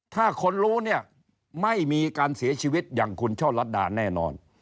ถ้าคนรู้เนี่ยไม่มีการเสียชีวิตอย่างคุณช่อลัดดาแน่นอน